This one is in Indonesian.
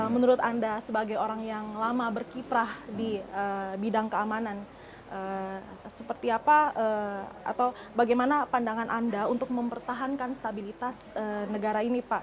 menurut anda sebagai orang yang lama berkiprah di bidang keamanan seperti apa atau bagaimana pandangan anda untuk mempertahankan stabilitas negara ini pak